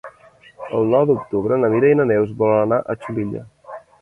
El nou d'octubre na Mira i na Neus volen anar a Xulilla.